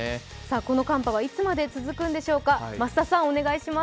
この寒波はいつまで続くんでしょうか。